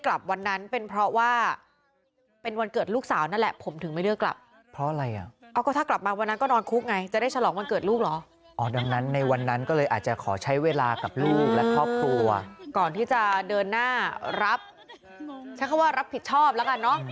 ก่อนที่จะเดินหน้ารับฉันว่ารับผิดชอบล่ะกันเนอะ